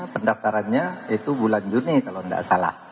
pendaftarannya itu bulan juni kalau tidak salah